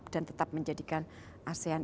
dan tetap menjadikan asean